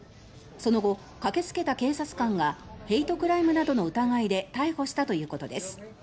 その後、駆けつけた警察官がヘイトクライムなどの疑いで逮捕したということです。